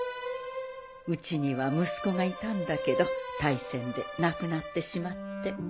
うちには息子がいたんだけど大戦で亡くなってしまって。